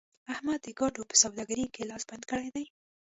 احمد د ګاډو په سوداګرۍ کې لاس بند کړی دی.